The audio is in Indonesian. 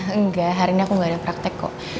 enggak hari ini aku gak ada praktek kok